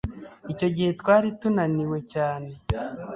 Icyo gihe twari tunaniwe cyane.